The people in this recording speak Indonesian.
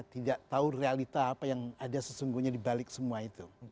tidak tahu realita apa yang ada sesungguhnya dibalik semua itu